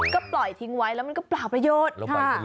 ก็ปล่อยทิ้งไว้แล้วมันก็เปล่าประโยชน์